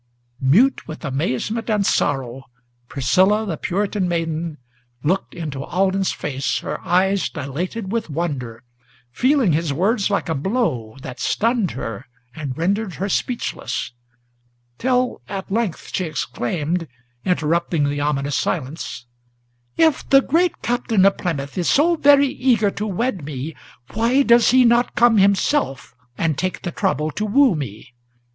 Mute with amazement and sorrow, Priscilla the Puritan maiden Looked into Alden's face, her eyes dilated with wonder, Feeling his words like a blow, that stunned her and rendered her speechless; Till at length she exclaimed, interrupting the ominous silence: "If the great Captain of Plymouth is so very eager to wed me, Why does he not come himself, and take the trouble to woo me?